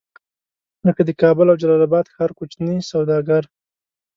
لکه د کابل او جلال اباد ښار کوچني سوداګر.